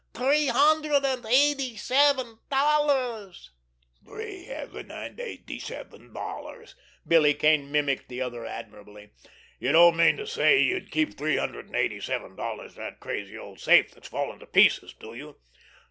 Three hundred and eighty seven dollars!" "Three hundred and eighty seven dollars!" Billy Kane mimicked the other admirably. "You don't mean to say you'd keep three hundred and eighty seven dollars in that crazy old safe that's falling to pieces, do you?"